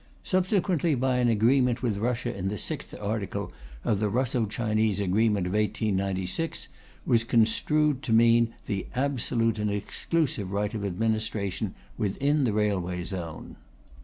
Subsequently by an agreement with Russia the sixth article of the Russo Chinese Agreement of 1896 was construed to mean 'the absolute and exclusive rights of administration within the railway zone.'"